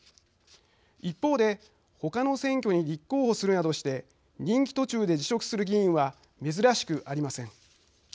一方でほかの選挙に立候補するなどして任期途中で辞職する議員は珍しくありません。